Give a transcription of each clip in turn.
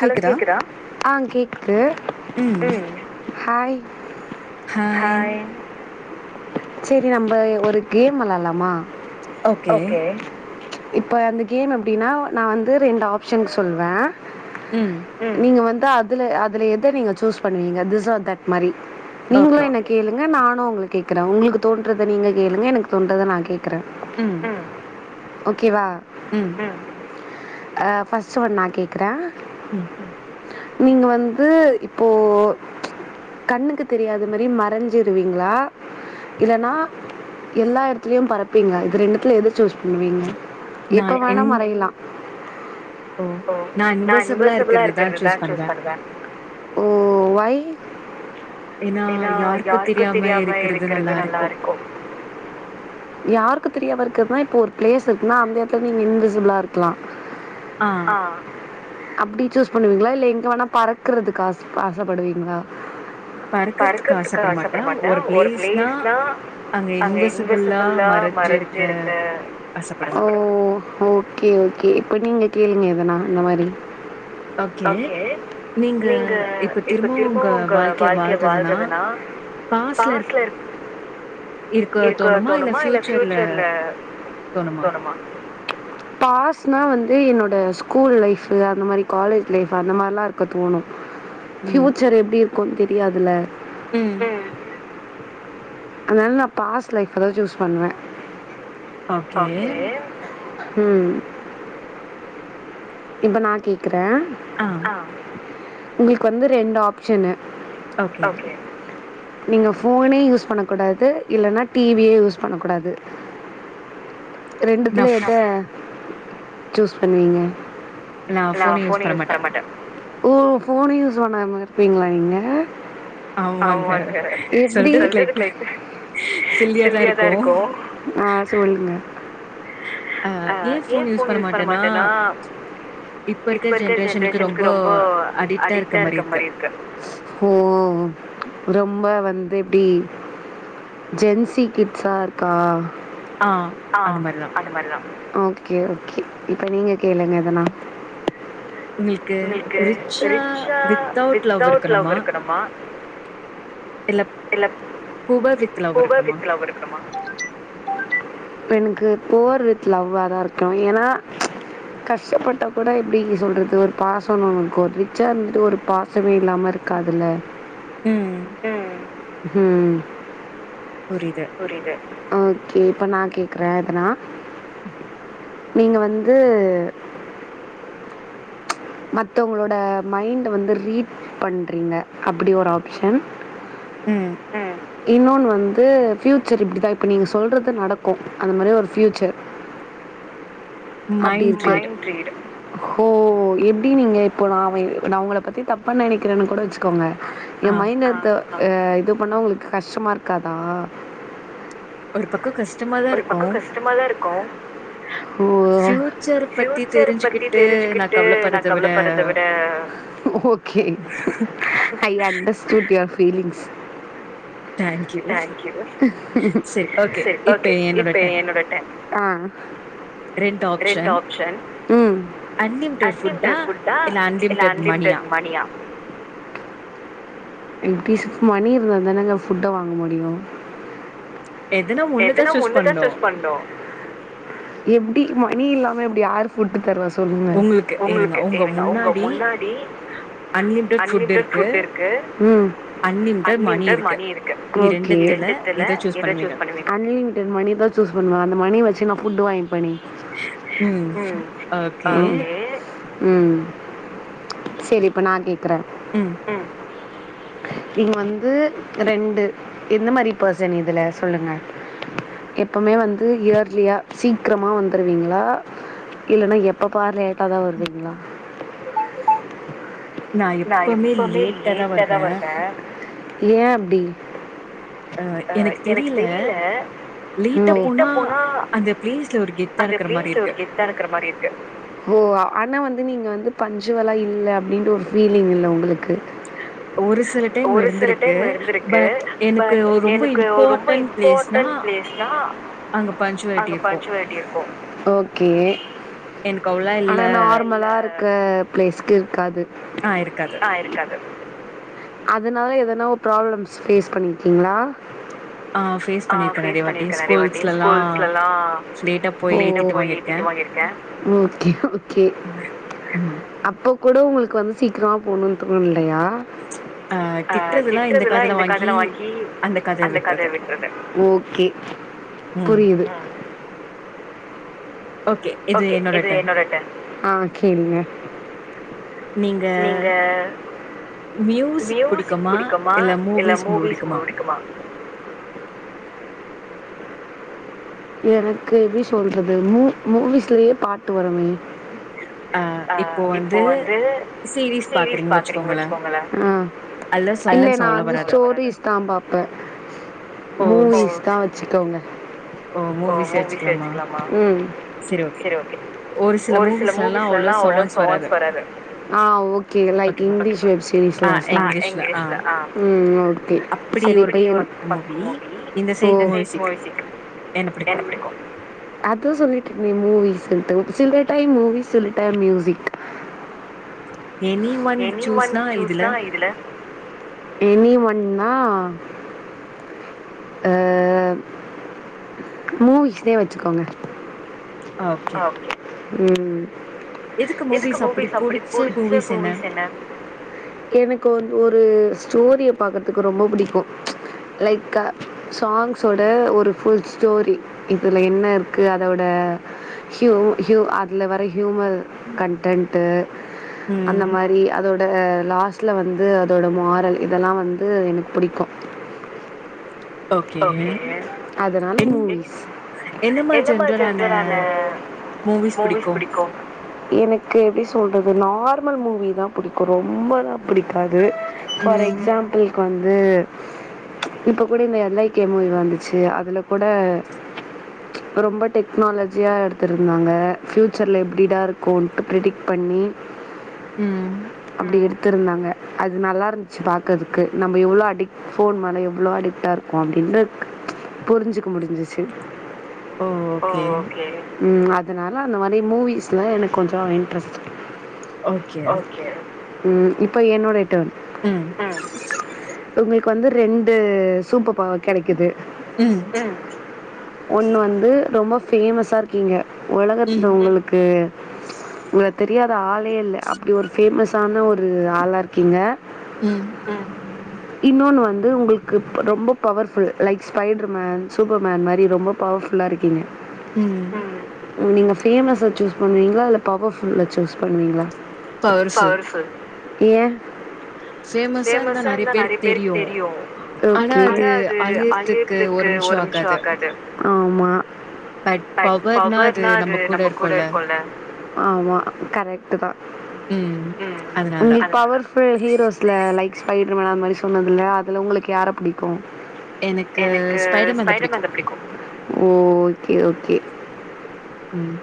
hello கேக்குதா ஆ கேக்குது ம் ஹாய் ஹாய் செரி நம்ம ஒரு கேம் விளையாலாமா ஓகே இப்ப அந்த கேம் எப்டின்னா நா வந்து ரெண்டு ஆப்ஷன் சொல்வே ம் நீங்க வந் க்கா அதுல அதுல எத நீங்க சூஸ் பண்ணுவீங்க திஸ் ஆர் தட் மாரி நீங்களு என்ன கேளுங்க நா நா உங்கள கேடக்குறே உங்களுக்கு தோன்றதை நீங்க கேளுங்க எனக்கு தோன்றத நா கேக் அக்க ம் ஓகேவா ம் ஆ ஃபர்ஸ்ட் ஒன் நா கேக்குறே நீங்க வந்து இப்போ கண்ணுக்கு தெரியாத மாதிரி மறைஞ்சிருவீங்களா இல்ன்னா எல்லா இடத்துலயும் பரப்பீங்களா இது ரெண்டுத்துல எதை சூஸ் பண்ணுவீங்க இப்ப வேணா மறையலாம் ஓ நான் நா இன்வசிபிளா இருக்கிறதுதா சூஸ் பண்ணுவ ஓ வொய் ஏன்னா யாருக்கும் தெரியாம இருக்கிறது நல்லா இருக்கும் யார் தெரிய இருக்கிறது இப்ப ஒரு பிளேஸ் இருக்குன்னா அந்தயடத்து நீங்க இன்விசிபிளா இருக்கலாம் ஆ அப்டி சூஸ் பண்ணுவீங்களா இல்ல எங்க வேணா பறக்குறதுக்கு ஆச ஆசப்படுவீங்களா பறக்கறதுக்க ஆசைப்பட மாட்டேன் ஒரு பிளேஸ்னா அங்க இன்விசிபிளா மறஞ்சி இருக்க இப்போ நீங்கள கேளுங்க எதுனா இந்த மாரி ஓகே நீங்க இப்ப திரும்ப உங்க வாழ்கைய வாழ்றதுன்னா பாஸ்லருக்க இருக்க தோணுமா இல்ல பியூசர்ல தோனுமா பாஸ் சுனா வந்து என்னோட ஸ்கூல் லைஃப் [unintelligible] அந்த மாரி காலேஜ் லைஃப் அந்த மாரிலா இருக்க தோணு ஃபியூச்சர் எப்டி இருக் க்கும் தெரியாதுல உம் அதனால நா பாஸ்ட் லைஃபதா சூஸ் பண்ணுவே ஓகே உம் இப்ப நா கேக் க்கிறேன் ஆ உங்களுக்கு வந்து ரெண்டு ஆப்ஷன்னு ஓகே நீங்க போஃனே யூஸ் பண்ணக்க கூடாது இல்லைன்னா டிவியே யூஸ் பண்ணக்கூடாது ரெண்டுத்துல எத சூஸ் பண்ணுவீங்க நான் ஃபோனே யூஸ் பண்ண மாட்டே ஓ ஃபோனை யூஸ் பண்ணாம இருப்பீங்களா நீங்கள் எப்டி ஆ சொல்லுங்க ஆ ஏன் போன் யூஸ் பண்ண மாட்டேன்னா இப்ப இருக்க ஜென்ரேஷனுக்கு ரொம்ப அடிக்ட்டா இருக்க மாரி இருக்கு ஓ ரொம்ப வந்து எப்டி ஜென்சி கிட்ஸா இருக்கா ஆஹ அது மாரிதாம் ஓகே ஓகே இப்போ நீங்க கேளுங்கள் எதுனா உங்களுக்கு ரிச்சா வித் அவுட் லவ் இருக்கணுமா இல்ல புவர் வித் லவ் இருக்கணுமா எனக்கு போர் வித் லவ்வரா இருக்காண் ஏன்னா கஷ்டப்பட்ட கூட எப்டி சொல்றது ஒரு பாசம்மக்கும் ரிச்சா இருந்துட்டு ஒரு பாசமே இல்லாம இருக்காதுல்ல ம் உம் புரியது ஓ இப்ப நான் கேக்குறேன் எனா நீங்க வந்து மத்தவங்களோட மைண்ட் வந்து ரீட் பண்றீங்க அப்டி ஒரு ஆப்ஷன் ம் இன்னொன்னு வந்து பியூச்சர் இப்டிதான் இப்போ நீங்க சொல்றது நடக்கும் அந்த மாரி ஒரு பியூச்சர் அப்டி இருக்கு மைண்ட் ரீட் ஹ எப்டி நீங்க இப்போ நான உங்கள பத்தி தப்பா நினைக்கிறேன்னு கூட வச்சுக்கோங்க என் மைனர் த அ இது பண்ணா உங்களுக்கு கஷ்டமா இருக்காதா ஒரு பக்கம் கஷ்டமாதான் இருக்கும் உ ஃபியூச்சர் பத்தி தெரிஞ்சுக்கிட்டு நான கவலைப்படுறத விட ஓகே ஐ அந்த ஸ்டுட் the feelings thank you okay இப்ப என்னோட ரெண்டு ஆப்சன் அன்லிமிடேட் புட்டா இல்ல அன்லிமிடேட் மணியா அட்லீஸ்ட் மணி இருந்தா தானேங்க புட்ட வாங்க முடியும் எதுனா ஒன்னுதான் சூஸ் பண்றோம் மணி இல்லாமே அப்படி யாரு புட்டு தருவா சொல் உங்க முண்ணாடி அன்லிமிடெட் புட் இருக்கு அன்லிமிடெட் மணி இருக்கு இந்த ரெண்டத்துல எத சூஸ் பண்ணுவீங்க அன்லிமிடெட் மணிதான் சூஸ் பண்ணுவேன் அது வச்சி நான் புட் வாங்கிப்பேன் ம் ஓகே ஓகே உம் சரி இப்ப நான் கேட்கிறேன் க்கறே ம் இங்க வந்து ரெண்டு இந்த மாரி பர்சன் இதுல சொல்லுங்க எப்மே வந்து இயர்லியா சீக்கிரமா வந்துருவீங்களா இல்லனா அப்போ [inaudible] லேட்டா தான் வருவீங்களா நான் எப்வுமே லேட்டாதான் வருவேன் ஏன் அப்டி அ எனக்கு தெரியல லேட்டா போனா அந்த பிளேஸ்ல ஒரு கெத்தா இருக்குற மாரி இருக்கு ஓ ஆனா வந்து நீங்க வந்து பஞ்சுவலா இல்ல அப்டின்ற ஒரு ஃபீலிங் இல்ல உங்களுக் ஒரு சில டைம் இருந்திருக்கு பட் எனக்கு ரொம்ப இம்பாட்டன்ட் பிளேஸ்னா அங்க பஞ்சுவாலட்டி இருக்கும் ஒகே ஆனா நார்மலா இருக்க பிளேஸ்க்கு இருக்காது அதனால எதனா பிராப்ளம்ஸ் ஃபேஸ் பண்ணிருக்கீங்ளா ஓ ஓகே ஓகே அப்ப இப்ப கூட உங்களுக்கு வந்து சீக்கிரமாக போகணுனு தோணுலயா ஓகே புரியுது ஒகே இது என்னோட டேன் ஆ கேளுங்க நீங்க மியூசிக் புடிக்குமா இல்ல மூவிஸ் முடிக்குமா எனக்கு எப்டி சொல்றது மூ மூவிஸ்லயே பாட்டு வருமே ஹ இப்போ வந்து சீரிஸ் பாக்குறிங்கனு வச்சுகோங்களே ஆ இல்ல நான் வந்து ஸ்டோரிஸ் தான் பாப்பேன் மூவிஸ் தான் வச்சுகோங்க ஓ மூவிஸே வச்சுக்கலாமா ம் சரி ஒகே ஒரு சில ஆ ஒகே எல்லா இங்லீஸ் வெப் சீரீஸ்ல [unintelligible] ம் ம் ஓக் செரிப்ப நீ உம் என்ன பிடிக்கும் அ இப்பதா சொல்லிட்டு இருந்தேனே மூவிஸ்ண்ட்டு சில டைம் மூவிஸ் சில டைம் மியூசிக் எனி ஒன் சூஸ்னா இதுல எனிஒண்ணா அ மூவிஸ்லே வச்சுக்கோங்க ஓகே ம் எனக் இப்ப ஒரு ஸ்டோரிய பாக்கறதுக்கு ரொம்ப புடிக்கும் லைக்க சாங்ஸோட ஒரு ஃபுல் ஸ்டோரி இதுல என்ன இருக்கு அதோட ஹியூ யு அதுல வர ஹூமர் கன்டென்ட் [unintelligible] அந்த மாரி அதோ அ லாஸ்ட்ல வந்து அதோட மாரல் இதெல்லாம் வந்து எனக்கு பிடிக்கும் அத் மூவிஸ் எனக்கு எப்டி சொல்றது நார்மல் மூவிதா புடிக்கு ரொம்பலா புடிக்காது து ஃபார் எக்ஸாம்பிள்க்கு வந் இது இப்ப கூட இந்த எல் ஐ கே மூவி வந்துச்சு அதுல கூட ரொம்ப டெக்னாலஜியாக எடுத்துருந்தாங்க ஃப்யூச்சரில் எப்படிடா இருக்கும்ன்ட்டு ப்ரிடிக்ட் பண்ணி அப்டி இருந்தாங்க அது நல்லா இருந்துச்சு பார்கறதுக்கு நம்ம எவ்வளோ அடிக்ட் போன் மேல எவ்வளோ அடிக்டா இருக்கும் அப்பட புரிஞ்சு முடிச்ஞ்சி ஓ ஒகே அதனால அந்த மாதிரி மூவிஸில் எனக்கு கொஞ்சம் இன்ட்ரெஸ்ட் ஓகே உம் இப்போ என்னோட ம் உங்களுக்கு வந்து ரெண்டு சூப்பர் ப்பா கிடைக்குது ஒண்ணு வந்து ரொம்ப பேமஸாக இருக்கீங்க உலகத்துல உங்களுக்கு உங்க தெரியாத ஆளே இல்லை அப்படி ஒரு பேமஸான ஒரு ஆளா இருக்கீங்க ம் இன்னொன்னு வந்து உங்களுக்கு ரொம்ப powerful like Spiderman Superman மாதிரிொம்பவர்ஃபுல்லா இருக்கு இ ம் நீங்கள் ஃபேமஸாக சூஸ் பண்ணுவீங்களா இல்ல பவர்ஃபுல்லாக சூஸ் பண்ணுவீங்களா பர்சு ஏயன் பேமஸாந்தான் நிறைய பேருக்கு தெரியும் ஆனா அது அழியறதுக்கு ஒரு நிமிஷம் ஆகு ஷ ஆக்காது ஆமா ஹய்க் பவர் நா அது நம்ம கூட இருக்கோம்ல ஆமா கரெக்ட் தான் ம் நி பவர்புல் ஹீரோஸ்ல லைக் எக்ஸ்பைடர் மே அது மாதிரி சொன்னதில்ல அதல உங்களுக்குயார பிடிக்கும் எனக்கு ஸ்பைடர்மேன் ஸ்பைடர்மேன்தா பிடிக்கும் ஓ ஓகே ஓகே ம்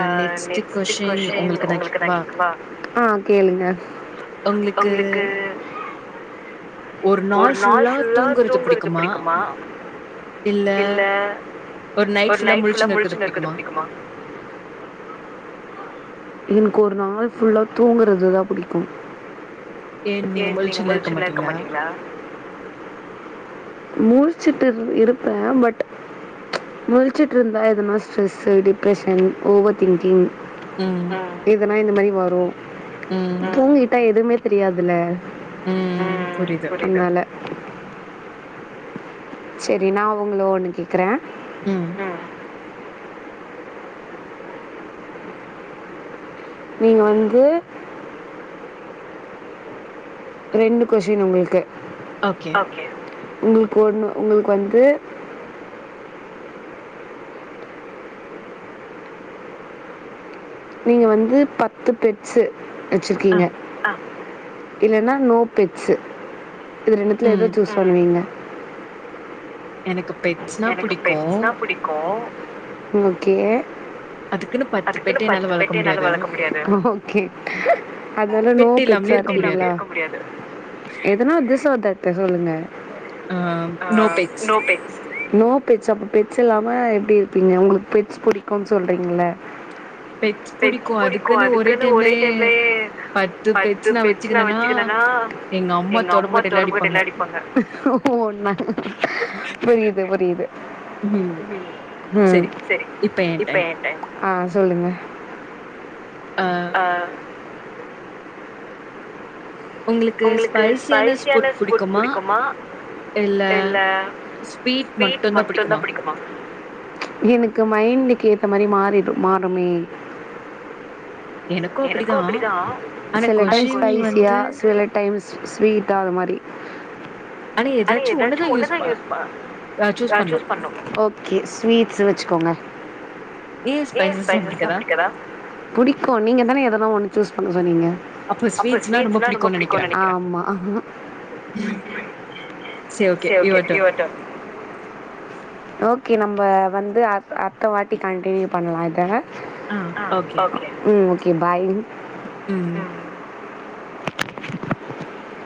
ஆ நெக்ஸ்ட் கொஸின் உங்களுக்கு நான் கேக்குவா ஆ கேளுங்க உங்களுக்கு ஒரு நாள் ஃபுல்லா தூங்குறது பிடிக்குமா இல்ல ஒரு நைட் ஃபுல்லா முழிசினு இருக்கறது பிடிக்குமா எனக்கு ஒரு நாள் ஃபுல்லா தூங்குறது தான் புிடிக்கும் ஏன் நீங்க முழிச்சுல்லாம் இருக்க மாட்டீங்களா முழச்சுட்டு இருப்பேன் பட் முழுச்சுட்டு இருந்தா இருப்பேன் முழிச்சிட்டு இருந்தா எதனா ஸ்ட்ரெஸ்ஸு டிப்ரெஷன் ஓவர் திங்கிங் ம் இதெல்லாம் இந்த மாதிரி வரும் ம் தூங்கிட்டா எதுவுமே தெரியாதுல உம் அப்புடினால சரி நான் உங்கள ஒண்ணு கேக்குறேன் உம் நீங்க வந்து ரெண்டு கொஸ்டின் உங்களுக்கு ஓகே உங்களுக்கு ஓன்ணும்உங்களுக்குக் வந்து நீங்க வந்து பத்து பெட்ஸ்சு வச்சிருக்கீங்க இல்லைன்னா நோ பட்ஸ் இது ரெண்டுத்துல ஏதோ சூஸ் பண்ணுவீங்க எனக்குப் எனக்கு பெட்ஸ்னா புடிக்கும் ஓகே அதுக்குன்னு பத்து பேட் என்னால வளக்க முடியாது ஓகே அதனால நோ பெட்ஸா இருக்கீங்களா இருக்க முடியாது எதனா ஒரு வார்த்தை சொல்லுங்க நோ பெட்ஸ் நோ பெட் அப்போ பெட்ஸ் இல்லாம எப்படி இருப்பீங்க உங்களுக்கு பெட்ஸ் பிடிக்கும்னு சொல்றீங்கள்ல பெட்ஸ்பிடிக்கும் அதுக்குன்னு ஒரே டைம்லய பத்து பெட்ஸ்ச்ச நான் வச்சுக்கேன்னா எங்க அம்மா தொடப்பகட்ட யில்ல அடிப்பாங்க உண்மை புரியுது இது ஒரு இது ம்ம் சரி இப்ப என்ன ஆ சொல்லுங்க ஆஹ் உங்களுக்கு ஸ்பைிசியான படிக்குமா இல்ல ஸ்வீட் மட்டு தான் படிக்குமா எனக்கு் க்கு ஏற்ற மாதிரி மாறிடு மாறுமே எனக்கும் அப்படி தான் சில டைம் ஸ்பைசியா சில டைம் ஸ்வீட்டா இருக்கிற மாதிரிஆனா ஏதாச்சும் ஒன்னு தான் யூஸ் சூஸ் பண்ணனும் ஓகே ஸ்வீட்ஸ் வச்சுக்கோங்க ஏன் ஸ்பைசஸ் எல்லாம் பிடிக்காதா எதன்னா ஒன்னு சூஸ் பண்ண சொன்னிங்க அப்பஸ்வீட்சலாம் ரொம்ப பிடிக்குனு நினைக்குரேன் ஆமா சேரி ஓகே ஓகே நம்ம வந்து அ அடுத்த வாட்டி கண்டினியூ பண்ணலாம் இதை ஆ ஓகே உம் [inaudible] உம் [inaudible]